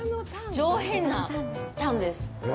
上品なタンです。